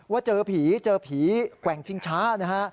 ว่าเจอผีเจอผีแกว่งชิงช้านะฮะ